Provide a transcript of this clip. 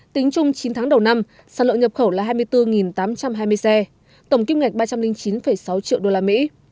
tính chung chín tháng đầu năm sản lượng nhập khẩu là hai mươi bốn tám trăm hai mươi xe tổng kim ngạch ba trăm linh chín sáu triệu đô la mỹ